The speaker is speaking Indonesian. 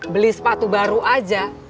beli sepatu baru aja